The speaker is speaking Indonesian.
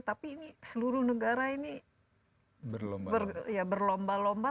tapi ini seluruh negara ini berlomba lomba